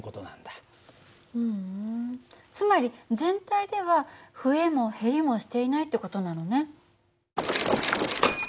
ふんつまり全体では増えも減りもしていないって事なのね。